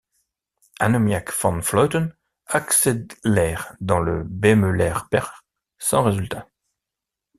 Annemiek van Vleuten accélère dans le Bemelerberg, sans résultat.